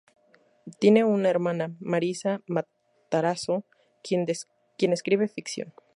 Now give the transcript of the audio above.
Tiene una hermana, Marisa Matarazzo, quien escribe ficción.